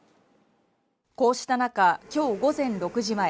こうした中きょう午前６時前